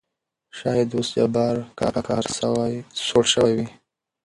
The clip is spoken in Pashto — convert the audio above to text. شاېد اوس جبار کاکا قهر سوړ شوى وي.